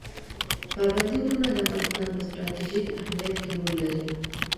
پابندی غرونه د افغانستان په ستراتیژیک اهمیت کې رول لري.